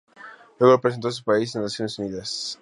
Luego representó a su país en las Naciones Unidas.